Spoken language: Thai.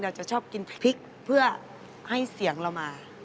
เราจะชอบกินพริกเพื่อให้เสียงเรามา